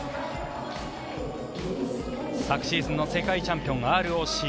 昨シーズンの世界チャンピオンＲＯＣ